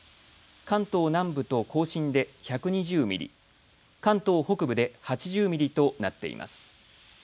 関東南部と甲信で１２０ミリ関東北部で８０ミリとなっています。